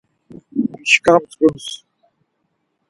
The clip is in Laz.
Şka mtzǩuns.